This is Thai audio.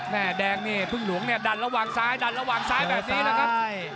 แม่แดงนี่พึ่งหลวงเนี่ยดันระหว่างซ้ายดันระหว่างซ้ายแบบนี้นะครับ